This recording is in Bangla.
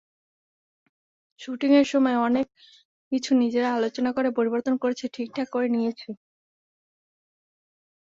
শুটিংয়ের সময় অনেক কিছু নিজেরা আলোচনা করে পরিবর্তন করেছি, ঠিকঠাক করে নিয়েছি।